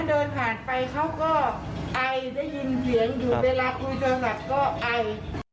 เดินผ่านไปเขาก็ไอได้ยินเสียงอยู่เวลาคุยเดินหลับก็ไอ